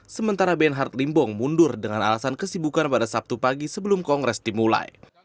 sementara benhard limbong mundur dengan alasan kesibukan pada sabtu pagi sebelum kongres dimulai